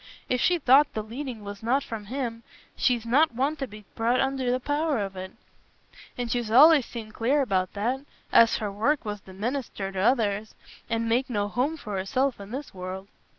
If she thought the leading was not from Him, she's not one to be brought under the power of it. And she's allays seemed clear about that—as her work was to minister t' others, and make no home for herself i' this world."